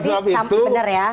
jadi benar ya